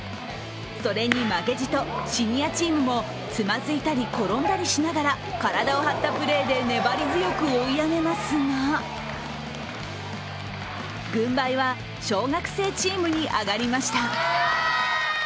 それに負けじとシニアチームもつまずいたり転んだりしながら体を張ったプレーで粘り強く追い上げますが軍配は小学生チームに上がりました。